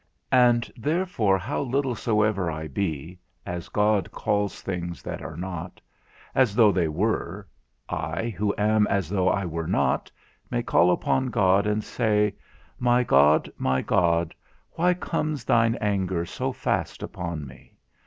And therefore how little soever I be, as God calls things that are not, as though they were, I, who am as though I were not, may call upon God, and say, My God, my God, why comes thine anger so fast upon me?